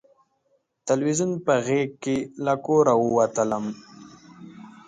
تلویزیون په غېږ له کوره ووتلم